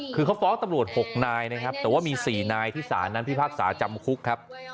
คือเขาฟ้องตำรวจ๖นายนะครับแต่ว่ามี๔นายที่ศาลนั้นพิพากษาจำคุกครับ